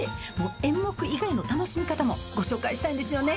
演目以外の楽しみ方もご紹介したいんですよね。